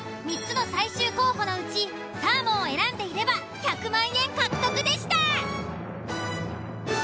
３つの最終候補のうちサーモンを選んでいれば１００万円獲得でした！